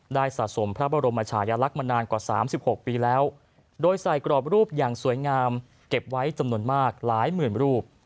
สะสมพระบรมชายลักษณ์มานานกว่า๓๖ปีแล้วโดยใส่กรอบรูปอย่างสวยงามเก็บไว้จำนวนมากหลายหมื่นรูป